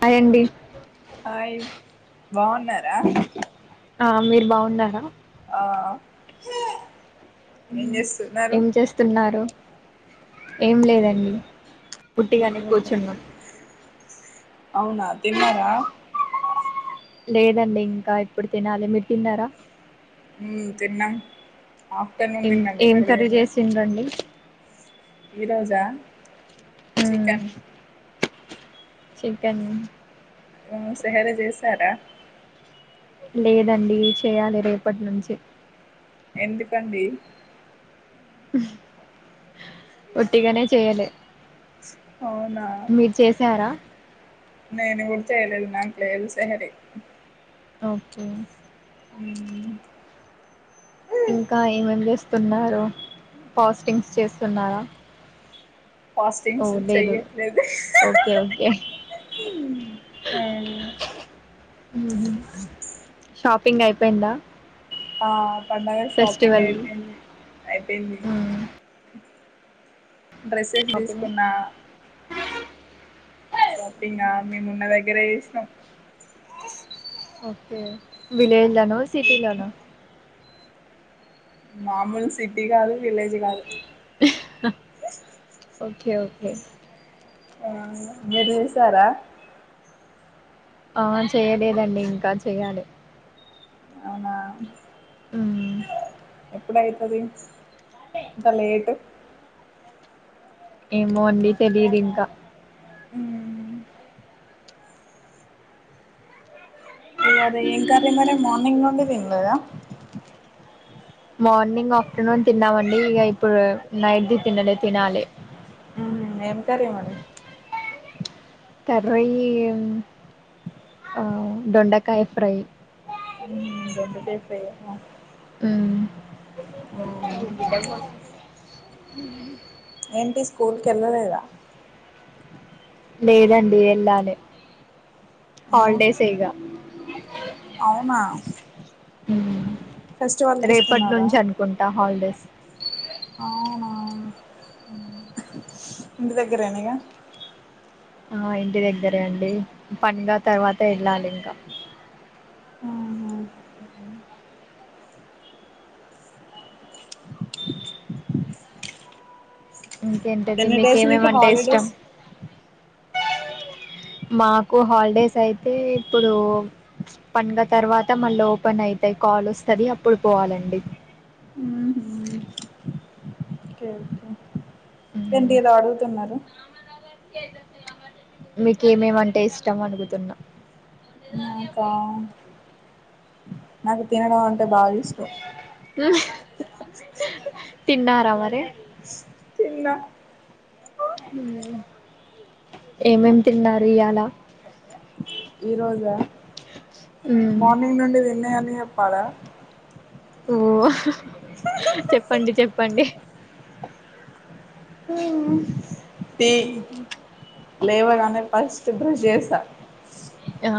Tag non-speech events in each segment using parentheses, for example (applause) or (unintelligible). Hi అండి hi, బాగున్నారా ఆ మీరు బాగున్నారా ఆ ఏం చేస్తున్నారు ఏం చేస్తున్నారు, ఏం లేదండి ఉట్టిగానే కూర్చున్నా అవును, తిన్నారా లేదండి ఇంకా ఇప్పుడు తినాలి మీరు తిన్నారా మ్ తిన్నాం ఆఫ్టర్నూన్ ఏం తిన్నాం ఏం ఇప్పుడు కర్రీ తిన్నాలే చేసిండ్రండి ఈరోజా మ్మ్ చికెన్ చికెన్ సెహరి చేశారా లేదండి చెయ్యాలి రేపటి నుంచి ఎందుకండీ ఒట్టిగానే చేయలే అవునా మీరు చేసారా నేను కూడా చేయలేదు నాకు లేదు సెహరి ఓకే మ్మ్ ఇంకా ఏం ఏం చేస్తున్నారు ఫాస్టింగ్స్ చేస్తున్నారా ఓ ఫాస్టింగ్స్ లేదు చెయ్యట్లేదు ఓకే ఓకే ఆ పింగ్ అయిపోయిందా ఆ పండగ షాపింగ్ ఫెస్టివల్ అయిపోయింది అయిపోయింది మ్మ్ డ్రెస్సెస్ షాపింగ్ తీసుకున్నా షాపింగా మేమున్న దగ్గరే చేసినాం ఓకే విలేజ్‌లోనూ షాపింగ్‌లోనూ మామూలు సిటీ కాదు విలేజ్ కాదు ఓకే ఓకే ఆ మీరు చేసారా ఆ చెయ్యాలేదండి ఇంకా చెయ్యాలి అవునా మ్మ్ ఎప్పుడు అయితది ఇంకా లేటు ఏమో అండి తెలియదు ఇంకా మ్మ్ ఇవాద ఏం కర్రీ మరి మార్నింగ్ నుండి తినలేదా మార్నింగ్ ఆఫ్టర్నూన్ తిన్నామండి ఇగ ఇప్పుడు నైట్ది తినలే తినాలి ఉమ్ ఎంకరీ మరి కర్రీ ఈ ఆ దొండకాయ ఫ్రై మ్మ్ దొండకాయ ఫ్రై ఆ మ్మ్ ఊమ్ ఏంటి స్కూల్ కెళ్ళలేదా? లేదండి ఎళ్ళాలే ఏ హాలిడేస్ ఇగా అవునా? ఉమ్ ఫెస్టివల్కి ఇస్తున్నారా రేపట్నుంచి అనుకుంటా హాల్డేస్ అవునా ఉమ్ ఇంటి దగ్గరేన ఇగ ఆ ఇంటి దగ్గరే అండి పండ్గ తర్వాత ఎళ్ళాలి ఇంకా మ్మ్ ఊహు ఇంకేంటది ఎన్నీ డేస్ మీకు ఏమేమంటే ఇష్టం హాలిడేస్? మాకు హాల్డేస్ అయితే ఇప్పుడు పండ్గ తర్వాత మళ్ళ ఓపెన్ అయితాయ్ కాల్ ఒస్తది అప్పుడు పోవాలండి ఓకే ఎంటి మ్మ్ ఏదో అడుగుతున్నారు మీకేమేమంటే ఇష్టం అడుగుతున్నా? నాకా నాకు తినడం అంటే బాగిష్టం ఊహ్మ్ తిన్నారా మరి తిన్నా ఉమ్ ఏమేం తిన్నారు ఇయ్యాల ఈ రోజా మార్నింగ్ నుండి దిన్నయన్ని చెప్పలా? ఓహ్ హ్ చెప్పండి చెప్పండి. (unintelligible) టీ లేవగానే ఫస్ట్ బ్రస్ జేసా ఆ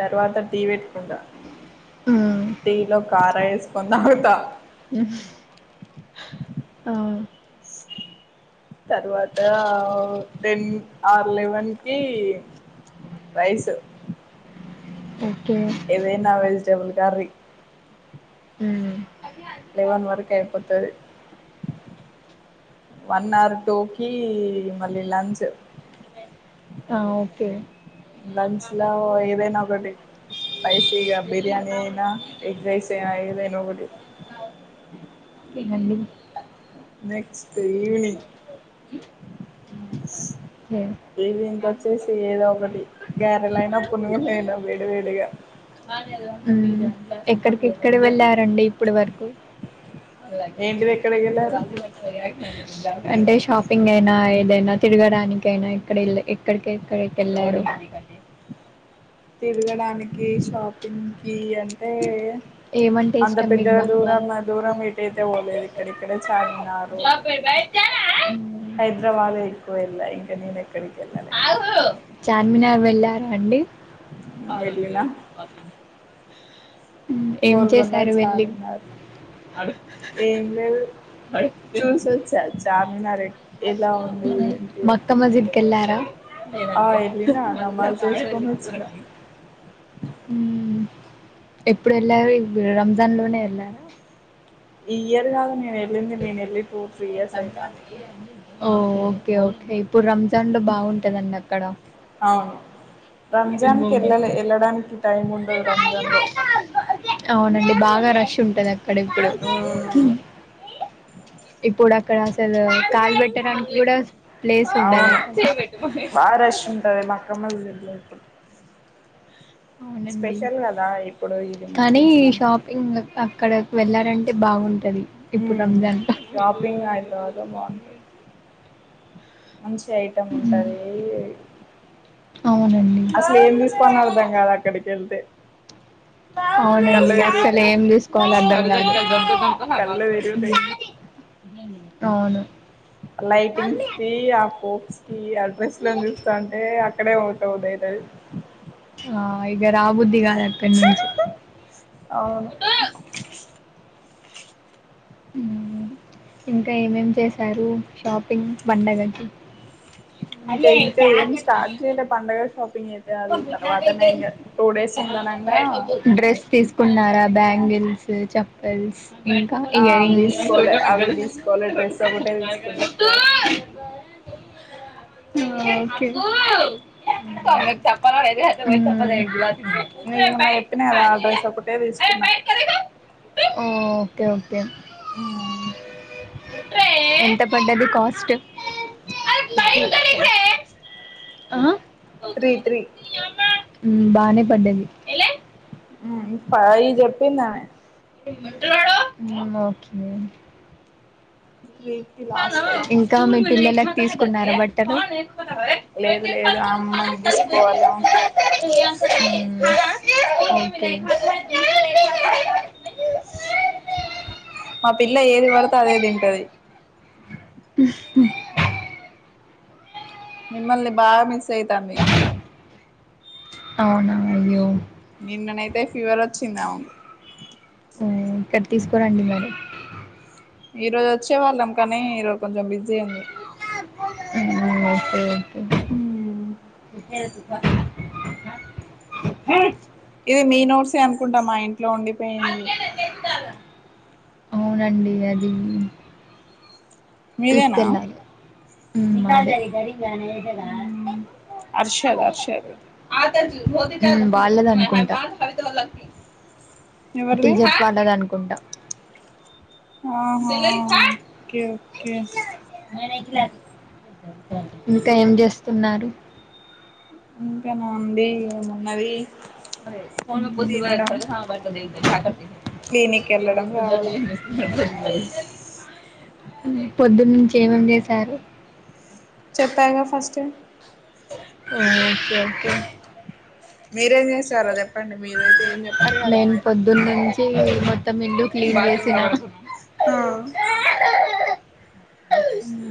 తర్వాత టీ పెట్ట్కుంటా మ్మ్ టీ లో కార ఏసుకొని తాగుతా. ఆహ్ ఆ తర్వాత టెన్ ఆర్ లెవెన్ కి రైసు ఓ ఏదైనా వెజిటేబుల్ కర్రీ ఉమ్ లేవన్ వరకు అయిపోతది. వన్ ఆర్ టూకీ మళ్ళీ లంచ్ ఆ ఓకే లంచ్ ల ఏదైనా ఒకటి స్పైసీగా బిర్యానీ అయినా ఎగ్ రైస్ చె ఏదయినా ఒకటి ఒకేనండి. నెక్స్ట్ ఈవినింగ్ ఏ ఈవింకొచ్చేసి ఏదో ఒకటి గారెలైనా పునుగు లైనా వేడి వేడిగా ఉమ్ ఎక్కడికి ఎక్కడ వెళ్ళారండి ఇప్పుడు వరకు ఏంటిది ఎక్కడికి వెళ్ళారు అంటే షాపింగ్ గైనా ఏదైనా తిరగడానికైనా ఎక్కడళ్ళ ఎక్కడికెక్కడికి కెళ్ళారు? తిరగడానికి షాపింగ్ కి అంటే ఏమంటే అంత ఇష్టం మీకు పెద్దగా బాగా దూరం దూరం ఏటైతే పోలేదు ఇక్కడిక్కడే చార్మినారు రైత్య హైదరాబాద్ ఎకువెళ్ళా ఇంకా నేను ఎక్కడికి ఎల్లలే. వెళ్లారా అండి అవునండి వెళ్ళినా బస్సు (unintelligible) ఏం గోల్కొండ చేశారు సార్ వెళ్ళి ఉన్నారు అడు ఏం లేదు అడుగ్తుంద్ చూసొచ్చా చార్మినార్ ఎలా ఉంది ఏంటి మక్క మజీద్ కేళ్ళారా? ఆ లేదండి వెళ్ళిన (unintelligible) నమాజ్ చేసుకొని వచ్చిన ఉమ్ ఎప్పుడు వెళ్ళారు ఇబ్ రంజాన్ లోనే వెళ్ళారా? ఈ ఇయర్ కాదు నేను వెళ్ళింది నేను వెళ్ళి టూ త్రీ ఇయర్స్ అయితాంది ఓ ఓకే ఓకే ఇప్పుడు రంజాన్ లో బాగుంటందండి అక్కడ అవును రంజాన్కి వెళ్ళలే వెళ్ళడానికి టైం ఉండదు రంజాన్లో అవున అప్పుడు బాగా రష్ ఉంటుంది అక్కడ ఇప్పుడు మ్మ్ ఇప్పుడు అక్కడ అసలు కాలు పెట్టడానికి కూడా ప్లేస్ ఉండదు అవును అక్కడ. బాగ రష్ ఉంటది మా అక్కమ్మ దగట్లో (unintelligible) ఇప్పుడు అవునండి స్పెషల్ కదా ఇప్పుడు ఇది కానీ ముస్లిమ్స్ కన్నా షాపింగ్ అక్కడ వెళ్లారంటే బాగుంటది ఇప్పుడు హ్మ్ రంజాన్ షాపింగ్ హైదరాబాద్ లో బాగుంటాది మంచి ఐటెమ్ ఉంటాది అవునండి అసలు ఏం తీసుకొవాల్లొ అర్ధాం కాదు అక్కడికి వెళ్తే (inaudible) అవునండి అసలు తిరుగుతాయి ఏం తీసుకోవాలో అర్దం కాదు కళ్ళు తిరుగుతాయి మ్మ్ అవును లైటింగ్స్ కి ఆ పోక్స్క్ కి ఆడ్రెస్ లను చూస్తాంటే ఆ అక్కడే ఉండి పొబుద్ధి అయితది ఆ ఇగ రా బుద్ధిగా అవును మ్మ్ ఇంకా ఏమ్ ఏమేం చేశారు షాపింగ్ పండగకి ఇంకా అదే ఇంకా ఏం స్టార్ట్ (unintelligible) చేయలే పండగ షాపింగ్ అయితే అది తర్వాతనే ఇంగ టూ డేస్ ఉందనంగా డ్రెస్ తీసుకున్నారా బ్యాంగ్ బ్యాగిల్స్ చెప్పల్స్ ఇంకా ఆ ఇయర్ రింగ్స్ తీసుకోలే అవి తీసుకోలే డ్రెస్ ఒకటే తీసుకున్నా (inaudible) ఆ ఓకే మ్మ్ నీకు మొన్న చెప్పిన కదా ఆ డ్రెస్ ఒకటే (inaudible) తీసుకున్నా అయితే ఓకే ఎంత పడ్డది కాస్ట్ ఫిఫ్టీ (inaudible) ఆ బానే పడింది సారీ చెప్పిన అవును ఓకే త్రీకి లాస్ట్ అయింది ఇంకా మీ పిల్లలకు తీసుకున్నార బట్టలు మా అమ్మాయికి తీసుకోవాల మ్మ్ ఒకే మా పిల్ల ఏది పడతే అదే తింటాది (inaudible) మిమ్మల్ని బాగా మిస్ అయితాంది అవునా అయ్యో నిన్ననైతే ఫీవర్ వచ్చింది నాకు ఆ ఇక్కడ తీసుకురండి మరి ఈ రోజు వచ్చే వాళ్ళం కానీ ఈరోజు కొంచెం బిజీ ఉంది మ్మ్ ఓకే ఓకే (inaudible) హెయ్ ఇది మీ నోట్సే అనుకుంటా, మా ఇంట్లో ఉండిపోయింది. అవునండి అది మీదేనా తీసుకెళ్ళాలి మ్మ్ బానే చేసాడ అర్షద్ అర్షద్ నిను బార్ల పనుకుంటా ఎవరిది టీచర్స్ వాళది అనుకుంటా ఆహా ఓకే ఓకే ఇంకా ఏం చేస్తున్నారు ఇంకానా ఉంది ఏమున్నది అరే ఫోన్ బుద్దిబల్ సరక తినడం సా బ క క్లినిక్ ఏం వెళ్ళడం చేస్తున్నారు రావడం ఏం చేస్తున్నారు పొద్దున్న నుంచి ఏమేం చేశారు చెప్పాగా ఫస్ట్ ఆ ఓకే ఓకే మీరేం చేస్తారో చెప్పండి మీరు నేను పొద్దున్న నుంచి మొత్తం ఇల్లు క్లీన్ చేసిన ఆ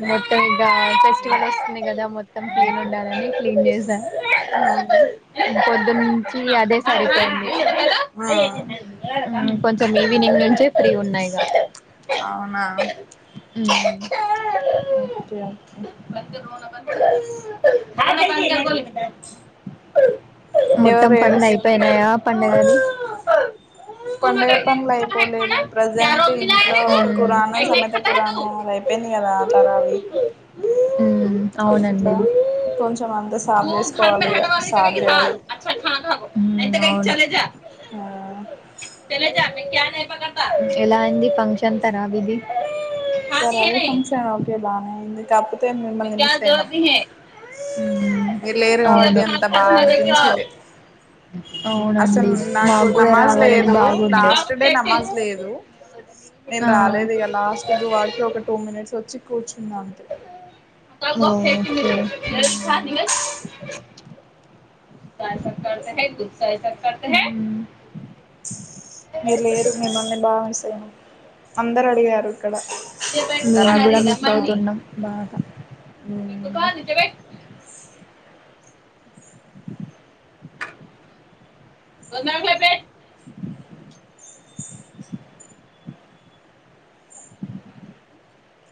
మొత్తం ఇగా ఫెస్టివల్ వస్తున్నాయి కదా మొత్తం క్లీన్ ఉండాలని క్లీన్ చేశాను అవును పొద్దానుంచి అదే సరిపోయింది ఆ కొంచం ఈవెని ఈవినింగ్ నుంచే ఫ్రీగా ఉన్నా అవునా అ ఓకే ఓకే (unintelligible) మొత్తం ఎవరు పన్నులు ఏడుస్తున్న అయిపోయినాయ పండగా వి పండగ పనులు అయిపోలేదు ప్రాప్జెంట్ ఇంట్లో కురాణ సమేత కురాణ అయిపో న్నాయి గా తారావి అవునండి అవును అంతా సాఫ్ చేసుకోవాలి ఇగ స్టార్ట్ చేయాలి హ్మ్ ఎలా అండి ఫంక్షన్ తర్వబిది సరే అదే ఫంక్షన్ ఓకే బాగానే అయింది కాకపోతే మిమ్మల్ని మిస్ అయినా మీరు లేరు కాబట్టి అంత బాగా అనిపించలే అవునండి, అసలు నాకు మాకు కూడా నమాజ్ రావాలని లేదు బాగుండే. లాస్ట్ డే నమాజ్ లేదు నేను రాలేదు ఇక లాస్ట్ దువాకి ఒక టూ మినిట్స్ వచ్చి కూర్చున్నా అంతే (unintelligible) (unintelligible) మీరు లేరు మిమ్మల్ని బాగా మిస్ అయినం అందరు అడిగారు ఇక్కడ మేము కూడా తరాబీకి మిస్ వచ్చిన వాళ్ళు అవుతున్నం బాగా (unintelligible) (unintelligible) (unintelligible)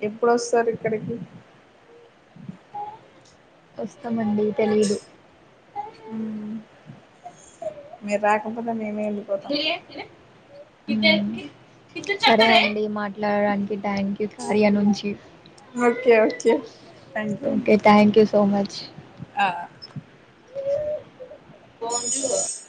ఎప్పుడు అస్తారు ఇక్కడికి వస్తామండి తెలీదు మీరు రాకపోతే మేమే వెళ్ళిపోతాం సరే అండి మాట్లాడడానికి ట్యాంక్ యూ కార్య నుంచి okay okay thank you okay thank you so much ఆ (unintelligible)